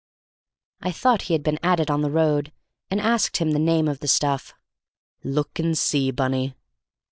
I thought he had been at it on the road, and asked him the name of the stuff. "Look and see, Bunny."